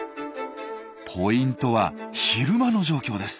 ポイントは昼間の状況です。